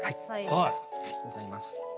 ありがとうございます。